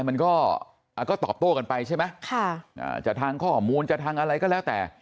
มันก็ตอบโต้กันไปใช่ไหมจะทางข้อมูลจะทางอะไรก็แล้วแต่